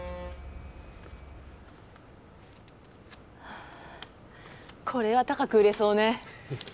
はぁこれは高く売れそうね。